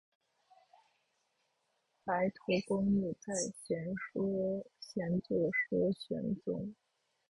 白头宫女在，闲坐说玄宗。